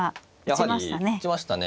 やはり打ちましたね。